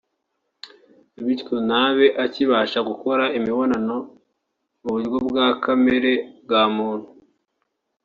bityo ntabe akibasha gukora imibonano mu buryo kamere bwa muntu